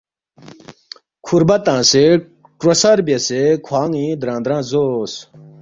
کُھوربا تنگسے کروسر بیاسے کھوان٘ی درانگ درانگ زوس